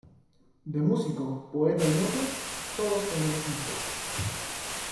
De músico, poeta y loco, todos tenemos un poco.